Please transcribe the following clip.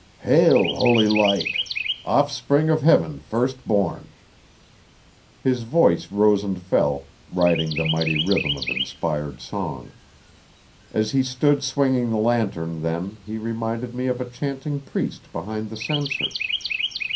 'Hail, holy light! Offspring of Heaven first born. His voice rose and fell, riding the mighty rhythm of inspired song. As he stood swinging the lantern, then, he reminded me of a chanting priest behind the censer.